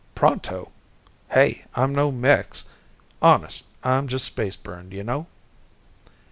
"Pronto? Hey, I'm no Mex. Honest, I'm just space burned. You know?"